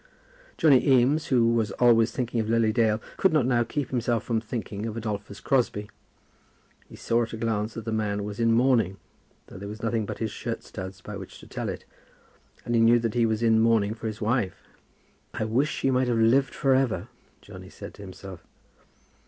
Johnny Eames, who was always thinking of Lily Dale, could not now keep himself from thinking of Adolphus Crosbie. He saw at a glance that the man was in mourning, though there was nothing but his shirt studs by which to tell it; and he knew that he was in mourning for his wife. "I wish she might have lived for ever," Johnny said to himself.